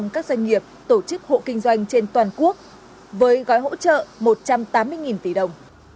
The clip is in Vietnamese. các doanh nghiệp tổ chức hộ kinh doanh trên toàn quốc với gói hỗ trợ một trăm tám mươi tỷ đồng